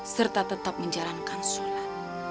serta tetap menjalankan sholat